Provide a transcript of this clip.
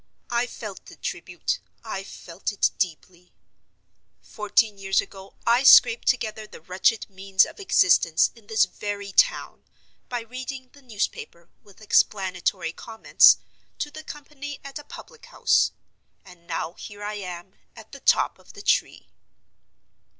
I felt the tribute—I felt it deeply. Fourteen years ago I scraped together the wretched means of existence in this very town by reading the newspaper (with explanatory comments) to the company at a public house. And now here I am at the top of the tree.